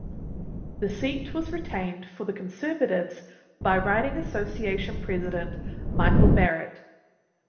The seat was retained for the Conservatives by riding association president Michael Barrett.